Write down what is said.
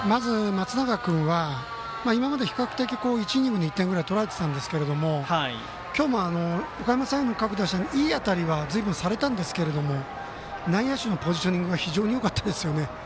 松永君は今まで、比較的１イニング１点ぐらい取られてたんですが今日もおかやま山陽の各打者にいい当たりはずいぶんされたんですけど内野陣のポジショニングが非常によかったです。